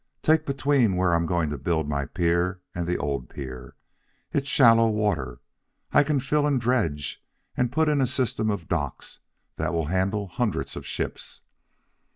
Take between where I'm going to build my pier and the old pier. It's shallow water. I can fill and dredge and put in a system of docks that will handle hundreds of ships.